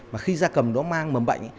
mà khi da cầm đó mang mầm bệnh